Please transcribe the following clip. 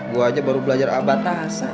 gua aja baru belajar abad tasan